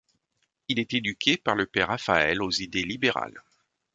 Il est éduqué par le père Raffaele aux idées libérales.